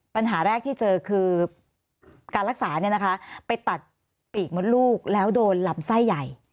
ปัญหาแรกที่เจอคือการรักษาไปตัดปีกมดลูกแล้วโดนลำไส้ใหญ่